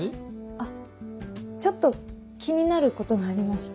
あっちょっと気になることがありまして。